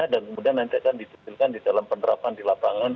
dan kemudian nanti akan ditetapkan di dalam penerapan di lapangan